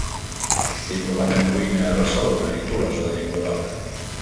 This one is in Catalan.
Diplomat en cuina a Barcelona i Tolosa de Llenguadoc.